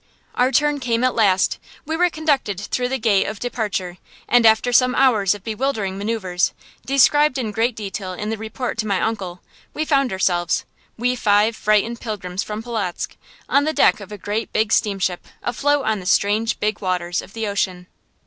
Our turn came at last. We were conducted through the gate of departure, and after some hours of bewildering manœuvres, described in great detail in the report to my uncle, we found ourselves we five frightened pilgrims from Polotzk on the deck of a great big steamship afloat on the strange big waters of the ocean.